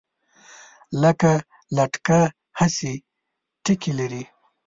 لکه لټکه هسې ټګي لري